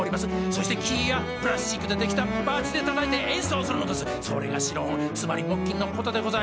そして木やプラスチックで出来たバチでたたいて演奏するのですそれがシロフォンつまり木琴のことでございます